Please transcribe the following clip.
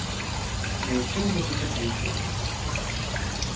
Ні ў чым не зачапіўся.